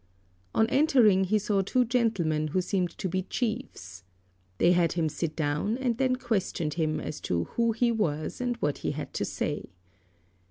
On entering, he saw two gentlemen who seemed to be chiefs. They had him sit down, and then questioned him as to who he was and what he had to say.